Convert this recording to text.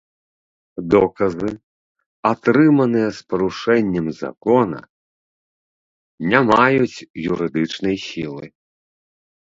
Доказы, атрыманыя з парушэннем закона, не маюць юрыдычнай сілы.